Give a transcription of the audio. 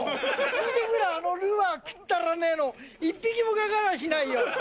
見てみろ、あのルアー、くっだらねーの、１匹もかかりゃしないよ。